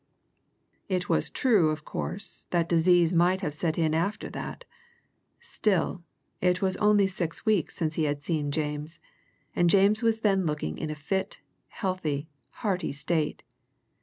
It was true, of course, that disease might have set in after that still, it was only six weeks since he had seen James and James was then looking in a fit, healthy, hearty state.